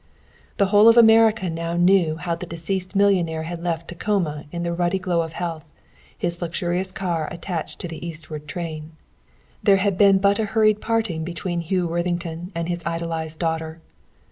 The whole of America now knew how the deceased millionaire had left Tacoma in the ruddy glow of health, his luxurious car attached to the eastward train. There had been but a hurried parting between Hugh Worthington and his idolized daughter.